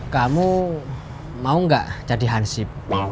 kamu mau gak jadi hansip